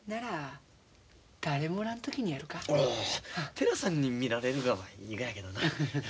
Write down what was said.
寺さんに見られるがはいいがやけどな。